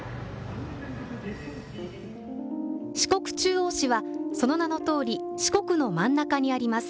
四国中央市は、その名の通り四国の真ん中にあります。